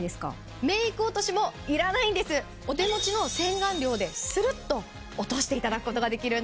お手持ちの洗顔料でスルっと落としていただくことができるんです。